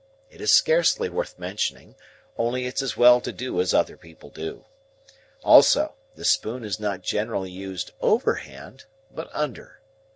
It is scarcely worth mentioning, only it's as well to do as other people do. Also, the spoon is not generally used over hand, but under.